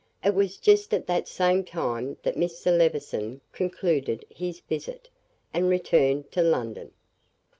It was just at that same time that Mr. Levison concluded his visit, and returned to London.